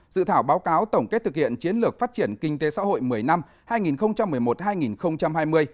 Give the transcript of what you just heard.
dự thảo báo cáo tổng kết thực hiện chiến lược phát triển kinh tế xã hội một mươi năm hai nghìn một mươi một hai nghìn hai mươi